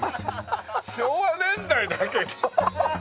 昭和年代だけど。